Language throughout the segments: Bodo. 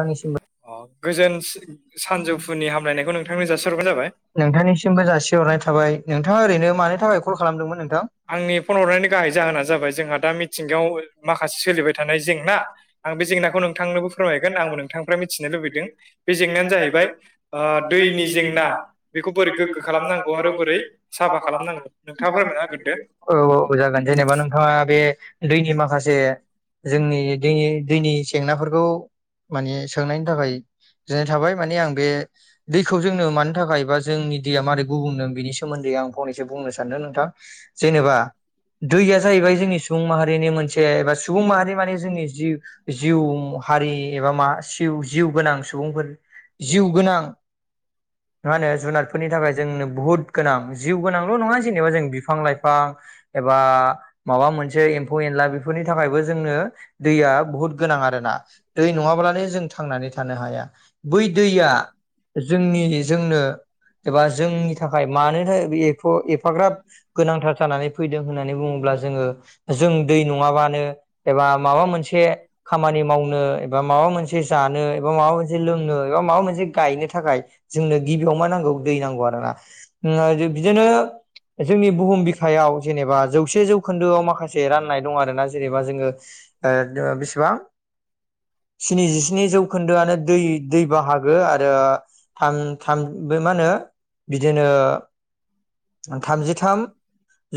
आंनिसिमबो अ [unintelligible] गोजोन सानजौफुनि हामलायनायखौ नोंथांनो जासिहरग्रोनाय जाबाय नोंथांनिसिमबो थाबाय नोंथाङा ओरैनो मानि थाखाय कल खालामदोंमोन नोंथां। आंनि फन हरनायनि गाहाय जाहोना जाबाय जोंहा दा मिथिंगायाव माखासे सोलिबाय थानाय जेंना आं बे जेंनाखौ नोंथांनोबो फोरमाय [unintelligible] मिथि लुबैदों बे जेंनायानो जाहैबाय ओ दैनि जेंना बेखौ बोरै गोग्गो खालामनांगौ आरो बोरै साफा खालामनांगौ नोंथाङा फोरमायना होग्रोदो [unintelligible] औ औ जागोन जेनेबा नों। नोंथाङा बे दैनि माखासे। जोंनि दैनि-दैनि जेंनाफोरखौ माने सोंनायनि थाखाय। थाबाय माने आं। बे दैखौ जोंनो मानि थाखाय बा जोंनि दैया मारै गुबुंदों बेनि सोमोन्दै आं फंनैसो बुंनो सानदों। नोंथां जेनेबा दैया जाहैबाय जोंनि सुबुं माहारिनि मोनसे एबा सुबुं माहारि माने जोंनि जि जिउ हारि एबा मा सिउ जिउ गोनां सुबुंफोर जिउ गोनां। मा होनो जुनारफोरनि थाखाय जोंनो बुहुत गोनां जिउ गोनांल नंङा जेनेबा जों बिफां लाइफां। एबा माबा मोनसे ब्ला बेफोरनि थाखायबो जोंनो दैया बुहुत गोनां आरो ना दै नङाब्लानो जों थांनानै थानो हाया बै दैया जोंनि जोंनो एबा जोंनि थाखाय मानो थाखाय एफाग्राब गोनांथार जानानै फैदों होननानै बुंङोब्ला जोंङो जों दै नंङाबानो एबा माबा मोनसे खामानि मावनो एबा माबा मोनसे जा एबा माबा मोनसे माबा मोनसे गनो थाखाय जोंनो गिबियाव मा नांगौ दै नांगौना बिदिनो जोंनि बुहुम बिखायाव जेनेबा जौसे जौखोन्दोआव माखासे माखसे राननाय दं आरोना जेनेबा जोंङो बेसेबां स्निजिस्नि जौखोन्दोआनो दै दै बाहागो आरो थाम थाम बे मा होनो बिदिनो थामजिथाम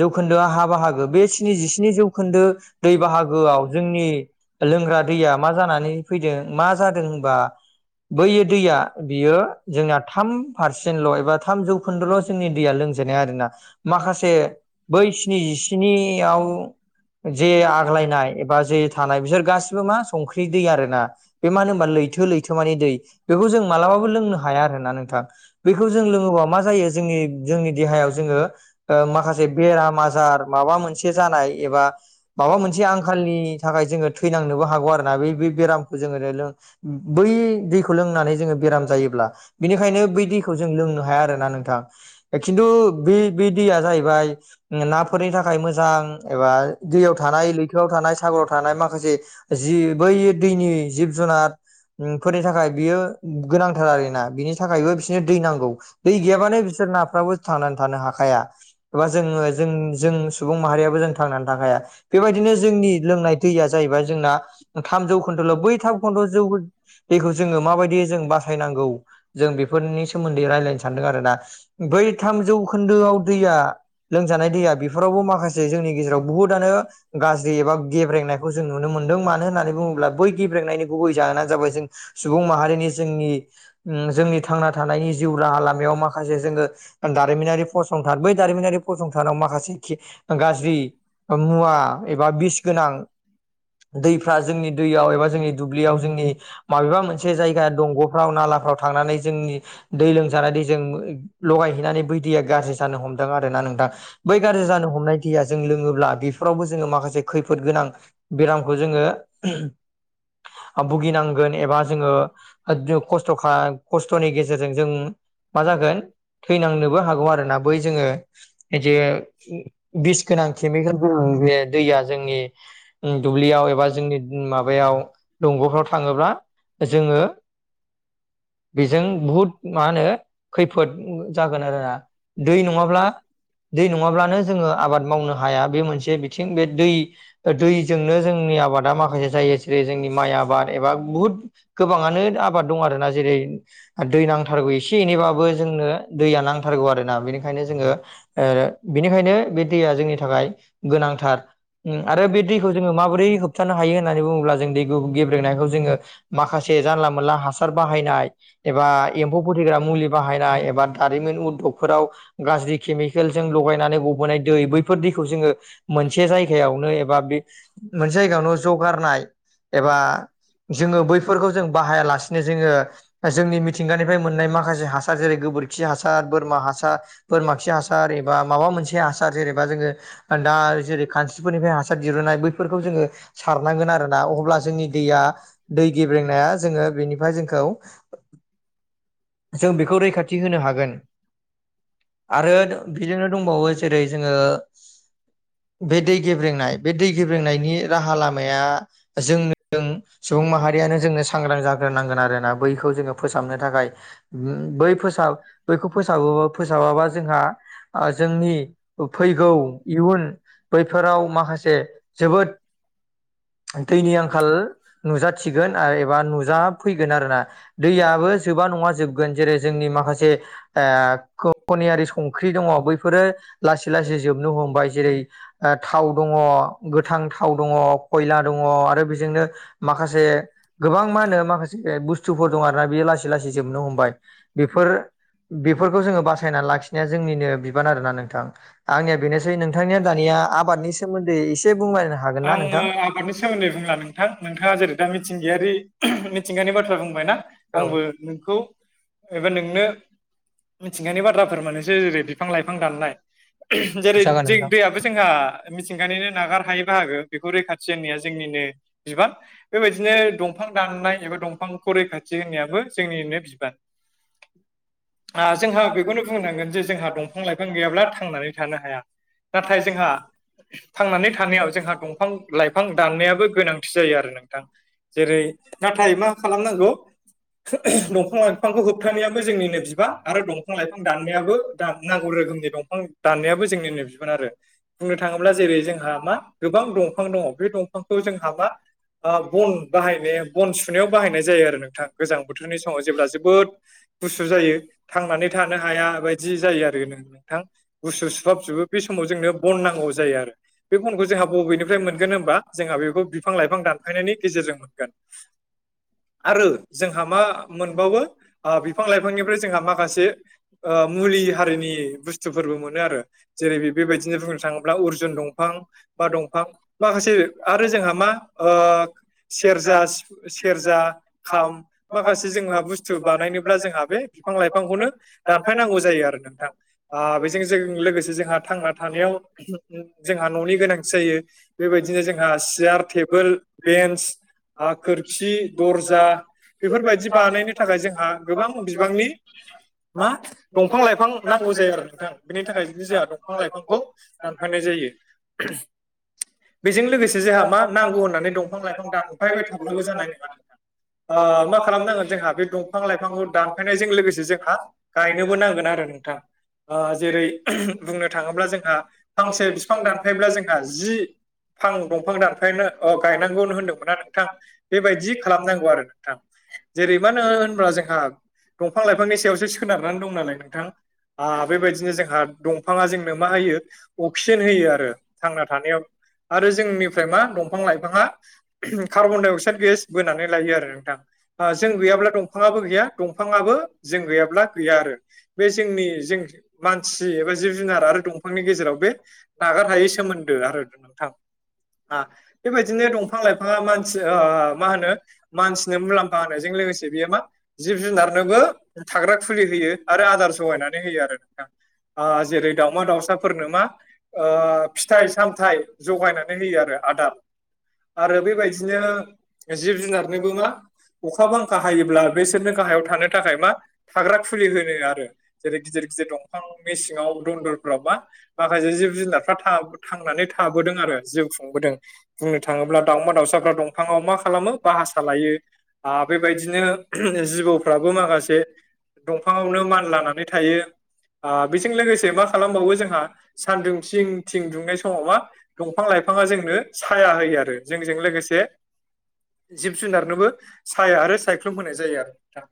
जौखोन्दोआ हा बाहागो बे स्निजिस्नि जौखोन्दो दै बाहागोआव जोंनि लोंग्रा दैया मा जानानै फैदों मा जादों होनबा बैयो दैया बियो जोंना थाम पारसेन्टल एबा थाम जौखोन्दोल जोंनि दैया लों आरोना माखासे बै स्निजिस्नियाव जे आग्लायनाय एबा जे थानाय बिसोर गासिबो मा संख्रि दै आरो बे मानो होनोमबा लैथो लैथो मानि दै बेखौ जों मालाबाबो लोंनो हाया आरो ना नोंथां बेखौ जों लोंङोब्ला मा जायो जोंनि जोंनि देहायाव जोंङो माखासे बेराम आजार माबा मोनसे जानाय एबा माबा मोनसे आंखालनि थाखाय जोंङो थैनांनोबो हागौ आरो ना बे बेराम जोङो बै दैखौ लोंनानै जोंङो बेराम जायोब्ला बेनिखायनो बै दैखौ जों लो नो हाया आरो ना नोंथां खिन्थु बे बे दैया जाहैबाय नाफोरनि थाखाय मोजां एबा दैयाव थ थानाय लैथो थानाय सागर थानाय माखासे जिब बै दै जिब जुनार फोरनि थाखाय बियो गोनांथार आरो ना बिनि थाखायबो बिसोरनो दै नांगौ दै गैयाबानो बिसोर ना थांनानै थानो हाखाया एबा जोंङो जों जों सुबुं माहारियाबो जों थांनानै थाखाया बेबायदिनो बेनो जोंनि लोंनाय दैया जाहैबाय जोंना थाम जौ खोन्दोल बै थाब जौ दैखौ जोङो माबायदि जों बासायनांगौ जों बेफोर नि सोमोन्दै रायजलायनो सानदों आरोना ब्रै थामजौखोन्दोआव दैया लोंजानाय दैया बेफोरावबो माखासे जोंनि गेजेराव बुहुतआनो गाज्रि एबा गेब्रेंनायखौ जों नुनो मोनदों मानो होननानै बुं बै गेब्रेंनायनि गुबै जाहोनानो जाबाय जों सुबुं माहारिनि जोंनि जोंनि थांना थानायनि जिउ राहा लामायाव माखासे जोङो दारिमिनारि फसंथान बै दारिमिनारि फसंथानाव माखासे गाज्रि मुवा एबा बिस गोनां दैफ्रा जोंनि दैयाव एबा जोंनि दुब्लियाव जोंनि माबेबा मोनसे जायगा दंग'फ्राव नालाफ्राव थांनानै जोंनि दै लोंजानाय दै जों लगायहैनानै बै दैया गाज्रि जानो हमदों आरो ना नोंथां बै गाज्रि जानो हमनाय दैया जों लोङोब्ला बेफोर बेावबो जोङो मासे खैफोद गोनां बेरामखौ जोङो भुगिनांगोन एबा जोङो खस्थ'खा खस्थ'नि गेजेरजों जों मा जागोन थैनांनोबो हागौ आरोना बै जोङो जे बिस गोनां केमिकेल बे दैया जोंनि दुब्लियाव एबा जोंनि माबायाव दंग'फ्राव थाङोब्ला जोङो बेजों बहुद मा होनो खैफोद जागोन आरोना दै नङाब्ला दै नङाब्लानो जोङो आबाद मावनो हाया बे मोनसे बिथिं बे दै दैजोंनो जों जोंनि आबादा माखासे जायो जेरै जोंनि माइ आबाद एबा बुहुद गोबाङनो आबाद दं आरोना जेरै दै नांथारगौ एसे एनैबाबो जोंनो दैया नांथारगौ आरोना बेनिखायनो जोङो ओ बिनिखायनो बे दैया जोंनि थाखाय गोनांथार आरो बे दैखौ जोङो माबोरै होबथानो हायो होननानै बुङोब्ला गेब्रेनायखौ जोङो माखासे जानला मोनला हासार बाहायनाय एबा एम्फौ फोथैग्रा मुलि बाहाय नाय दारिमिनगाव गाज्रि केमिकेल जजों लगायनानै गबोनाय दै बैफोर दैखौ जों मोनसे जायगायावनो एबा बे मोनसे जायगायावनो जगारनाय एबा जोङो बैफोरखौ जों बाहायालासेनो जोङो जोंनि मिथिंगानिफ्राय मोननाय माखासे हास हासार जेरै गोबोरखि हासार बोरमा हासार बोरमाखि हासार एबा माबा मोनसे हासार जेनेबा जोङो दा जेरै खानस्रिफोरनिफ्राय हासार दिरहुननाय बैफोरखौ जोङो सारनांगोन आरोना अब्ला जोंनि दैया दै गेब्रेंनाया जोङो बेनिफ्राय जोंखौ जों बेखौ रैखाथि होनो हागोन आरो बिदिनो दंबावो जेरै जोङो बे दै गेब्रेंनाय बे दै गेब्रेंनायनि राहा लामा जों सुबुं माहारियानो जोंनो सांग्रां जाग्रोनांगोन आरोना बैखौ जो फोसाब खालामनो थाखाय बै फोस बैखौ फोसाबा फोसाबाबा जोंहा जोंनि फैगौ इयुन बैफोराव माखासे जोबोद दैनि आंखाल नुजाथिगोन एबा नुजाफैगोन आरोना दैयाबो जोबां नङा जों जेरै जोंनि माखासेनिारि संख्रि दङ बैफोरो लाै लासै जोबनो हमबाय जेरै थाव दङ गोथां थाव दङ खयला दं आरो बेजोंनो माखासे गोबां मा होनो माखासे बुस्थुफोर दं आरोना बेयो लासै लासै जोबनो हमबाय बेफोर बेफोरखौ जोङो बासायना लाखिनाया जोंनिनो बिबान आरोना नोंथां आंनिया बेनोसै नोंथांनिया दानिया आबादनि सोमोन्दै एसे बुंलायनो हागोनना आङो नोंथां? [unintelligible] बुंला नोंथां नोंथाङा जेरै दा मिथिंगायारि मिथिंगायानि बाथ्रा बुंबायना औ आंबो नोंखौ एबा नोंनो मिथिंगानि बाथ्राफोर मान एसे जेरै बिफां लाइफां दाननाय जेरै जागोन नोंथां दैयाबो जोंहा मिथिंगानिनो नागार हायो बाहागो बेखौ रैखाथि होननिया जोंनिनो बिबान बेबायदिनो दंफां दाननाय एबा दंफांखौ रैखाथि होननायाबो जोंनिनो बिबान जोंहा बेखौनो बुंनांगोन जे जोंहा दंफां लाइफां गैयाब्ला थांनानै थानो हाया। नाथाय जोंहा थांनानै थानायाव जोंहा दंफां लाइफां दाननायाबो गोनांथि जायो आरो नोंथां जेरै नाथाय मा खालामनांगौ दंफां लाइफांखौ होबथानायाबो जोंनिनो बि आरो दंफां लाइफां दाननायाबो दा नांगौ रोखोमनि दंफां दाननायाबो जोंनिनो बिबान आरो बुंनो थाङोब्ला जेरै जोंहा मा गोबां दंफां दङ बे दंफांखौ जोंहा मा बन बाहायनाय बन सुनायाव बाहायनाय जायो आरो नोंथां गोजां बोथोरनि समाव जेब्ला जोबोद गुसु जायो। थांनानै थानो हाया बायदि जायो आरो नोंथां गुसु सुहाब जोबो बे समाव जोंनो बन नांगौ जायो आरो बे बनखौ जोंहा बबेनिफ्राय मोनगोन होमबा जोंहा बेखौ बिफां लाइफां दानफायनायनि गेजेरजों मोनगोन आरो जोंहा मा मोनबावो बिफां लाइफांनिफ्राय जों जों माखासे मुलि हारिनि बुस्थुफोरबो मोनो आरो जेरै बे बेबायदिनो बुंनो थाङोब्ला अरजुन दंफां बा दंफां माखासे आरो जोंहा मा सेरजा सिफु सेरजा, खाम माखासे जोंहा बुस्थु बानायनोब्ला जोंहा बे बिफां लाइफांखौनो दानफायनांगौ जायो आरो नोंथां बेजों जों लोगोसे जोंहा थांना थानायाव जोंहा न'नि गोनांथि जायो। बेबायदिनो जोंहा सियार टेबोल बेन्स हा खोरखि दर्जा बेफोरबायदि बानायनो थाखाय जोंहा गोबां बिबांनि [inaudible] मा दंफां लाइफां नांगौ जायो आरो नोंथां बेनि थाखाय जोंहा दंफां लाइफांखौ दानफायनाय जायो। [unintelligible] बेजों लोगोसे जोंहा मा नांगौ होननानै दंफां लाइफां दानफायबो थाब्लाबो जानाय नङा मा खालामनांगोन जोंहा बे दंफां लाइफांखौ दानफायनायजों लोगोसे जोंहा गायनोबो नांगोन आरो। नोंथां जेरै बुंनो थाङोब्ला जोंहा फांसे बिफां दानफायोब्ला जोंहा जि फां दंफां दानफायनो अ गायनांगौ होनदोंमोना नोंथां बेबायदि खालामनांगौ आरो नोंथां। जेरै मा होनो होनब्ला जोंहा दंफां लाइफांनि सायावसो सोनारनानै दं नालाय नोंथां बेबायदिनो जोंहा दंफाङा जोंनो मा होयो अक्सिजेन होयो आरो थांना थानायाव आरो जोंनिफ्राय मा दंफां लाइफाङा कार्बनडाइ अक्साइद गेस बोनानै लायो आरो नोंथां जों गैयाब्ला दंफाङाबो गैया दंफाङाबो जों गैयाब्ला गैया आरो बे जोंनि जों मानसि एबा जिब जुनार आरो दंफांनि गेजेराव बे नागार हायै सोमोन्दो आरो नों थां। बेबायदिनो दंफां लाइफाङा मानसि मा होनो मानसिनो मुलाम्फा होनो जों लो गोसे बेयो मा जिब जुनारनोबो थाग्रा खुलि होयो आरो आदार जगायनानै होयो आरो नोंथां। जेरै दावमा दाउसाफोरनो मा फिथाइ -सामथाइ जगायनानै होयो आरो आदार आरो बेबायदिनो जिब जुनारनोबो मा अखा बांखा हायोब्ला बेसोरनो गाहायाव थानो थाखाय मा थाग्रा खुलि होनो आरो जेरै गिदिर दंफां बे सिङाव‌ दनदरफ्रावबा माखासे जिब जुनारफ्रा थांनानै था थाबोदों आरो खुंबोदों आरो जिउ खुंबोदों बुंनो थाङोब्ला दाावमा दाउसाफ्रा दंफाङाव मा खालामो बासा लायो। आ बेबायदिनो जिबौफ्राबो माखासे दंफाङावनो मान लानानै थायो। बेजों लोगोसे मा खालामबावो जोंहा सानदुं थिं थिं दुंनाय समाव मा दंफां लाइफाङा जोंनो साया होयो आरो जोंजों लोगोसे जिब जुनारनोबो साया आरो सायख्लुम होनाय जायो आरो नोंथां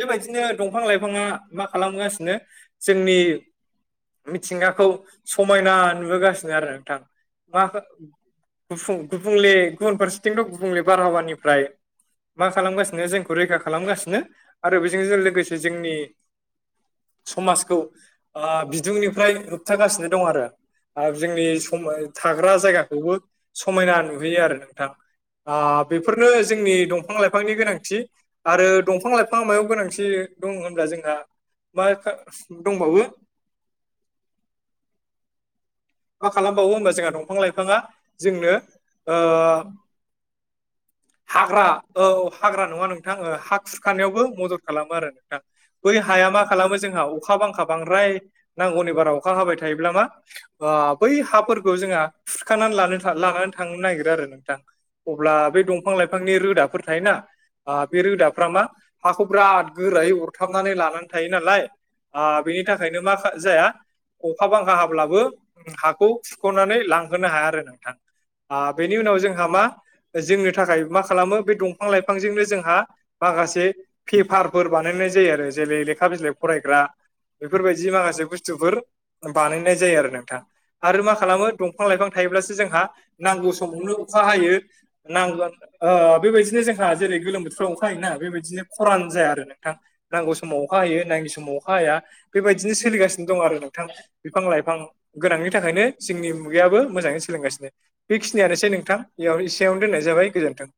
बेबायदिनो दंफां लाइफाङा मा खालामगासिनो जोंनि मिथिंगाखौ समायना नुहोगासिनो आरो नोंथां मा गुफुं गुबुंले गुबुन फारसेथिंथ' गुबुंले बारहावानिफ्राय मा खालामगासिनो जोंखौ रैखा खालामगासिनो आरो बेजों लोगोसे जोंनि समाजखौ बिदुंनिफ्राय होबथागासिनो दं आरो। आरो जोंनि सम थाग्रा जायगाखौबो समायना नुहैयो आरो नोंथां। ओ बेफोरनो जोंनि दंफां लाइफांनि गोनांथि आरो दंफां लाइफाङा मायाव गोनांथि दं होनब्ला जोंहा मा दंबावो। मा खालामबावो होमबा जोंहा दंफां लाइफाङा जोंनो ओ हाग्रा औ हाग्रा नङा नोंथां हा खुरखानायावबो मदद खालामो आरो नोंथां। बै हाया मा खालामो जोंहा अखा बांखा बांद्राय नांगौनि बारा अखा हाबाय थायोब्ला मा ओ बै हाफोरखौ जोंहा खुरखानानै लानो लानानै थांनो नागिरो आरो नोंथां। अब्ला बे दंफां लाइफांनि रोदाफोर थायोना। ओ बे रोदाफ्रा मा हाखौ बिराद गोरायै अरथाबनानै लानानै थायो नालाय। ओ बेनि थाखायनो मा जाया अखा बांखा हाब्लाबो हाखौ खुरख'नानै लांहोनो हाया आरो नोंथां बेनि उनाव जोंहा मा जों थाखाय मा खालामो बे दंफां लाइफांजोंनो जोंहा माखासे पेफारफोर बानायनाय जायो आरो जेरै लेखा बिलाइ फरायग्रा बेफोरबायदि माखासे बुस्थुफोर बानायनाय जायो आरो नोंथां। आरो मा खालामो दंफां लाइफां थायोब्लासो जोंहा नांगौ समावनो अखा हायो। नांगोन ओ बेबायदिनो जोंहा जेरै गोलोम बोथोराव अखा हायोना बेबायदिनो खरान जाया आरो नोंथां नांगौ समाव। अखा हायो नाङि समाव अखा हाया बेबायदिनो सोलिगासिनो दं आरो नोंथां बिफां लाइफां गोनांनि थाखायनो जोंनि मुगायाबो मोजाङै सोलोंगासिनो बेखिनियानोसै नोंथां बेयाव एसेयावनो दोननाय जाबाय गोजोनथों।